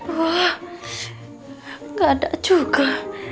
gak ada juga